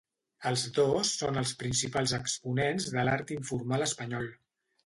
Els dos són els principals exponents de l'art informal espanyol.